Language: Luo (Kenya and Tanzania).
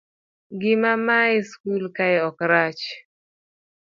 ngima ma e skul kae ok rach